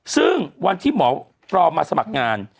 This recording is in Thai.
ซึ่งวันที่หมอปลอมมาสมัครงาน